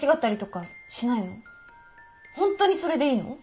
ホントにそれでいいの？